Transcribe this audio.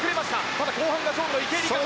ただ後半が勝負の池江璃花子。